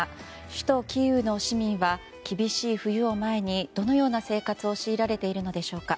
首都キーウの市民は厳しい冬を前にどのような生活を強いられているのでしょうか。